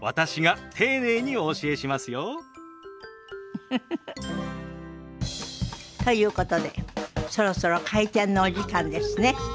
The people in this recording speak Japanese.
ウフフフ。ということでそろそろ開店のお時間ですね。